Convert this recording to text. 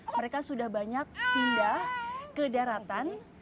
mereka sudah banyak pindah ke daratan